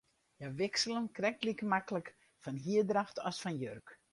Hja wikselen krekt like maklik fan hierdracht as fan jurk.